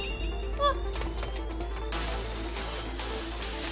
あっ！